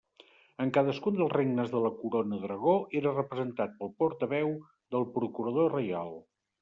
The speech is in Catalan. En cadascun dels regnes de la Corona d'Aragó era representat pel portaveu del Procurador reial.